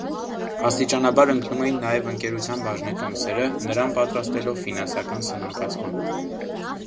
Աստիճանաբար ընկնում էին նաև ընկերության բաժնետոմսերը՝ նրան պատրաստելով ֆինանսական սնանկացման։